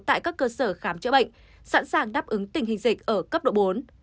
tại các cơ sở khám chữa bệnh sẵn sàng đáp ứng tình hình dịch ở cấp độ bốn